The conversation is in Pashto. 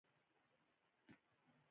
ځمکنی شکل د افغانستان د بڼوالۍ برخه ده.